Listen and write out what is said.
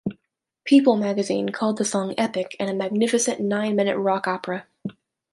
"People" magazine called the song "epic" and a "magnificent nine-minute rock opera.